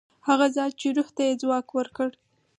هغه ذات چې روح ته یې ځواک ورکړ.